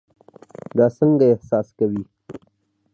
دا څنګه احساس کوي؟